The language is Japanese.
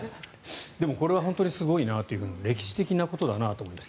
でもこれは本当にすごいなと歴史的なことだと思います。